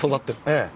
ええ。